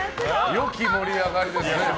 良き盛り上がりですね。